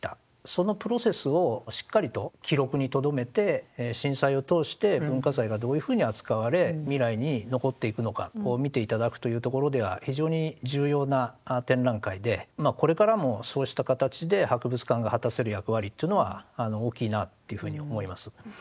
そのプロセスをしっかりと記録にとどめて震災を通して文化財がどういうふうに扱われ未来に残っていくのかを見て頂くというところでは非常に重要な展覧会でこれからもそうした形で博物館が果たせる役割というのは大きいなというふうに思います。